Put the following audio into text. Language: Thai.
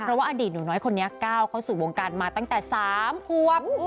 เพราะว่าอดีตหนูน้อยคนนี้ก้าวเข้าสู่วงการมาตั้งแต่๓ควบ